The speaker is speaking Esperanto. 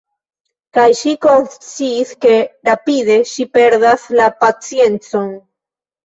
Kaj ŝi konsciis ke rapide ŝi perdas la paciencon.